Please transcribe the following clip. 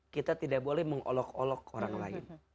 kita tidak boleh mengolok olok orang lain